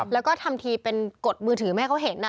และก็ทำทีกดมือถือให้เขาเห็ตน่ะ